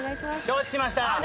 承知しました。